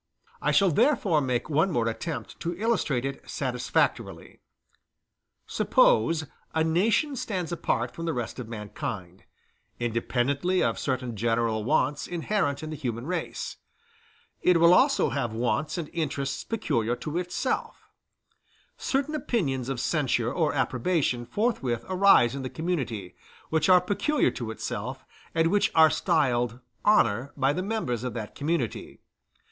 I shall therefore make one more attempt to illustrate it satisfactorily. Suppose a nation stands apart from the rest of mankind: independently of certain general wants inherent in the human race, it will also have wants and interests peculiar to itself: certain opinions of censure or approbation forthwith arise in the community, which are peculiar to itself, and which are styled honor by the members of that community.